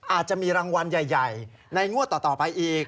อาจจะมีรางวัลใหญ่ในงวดต่อไปอีก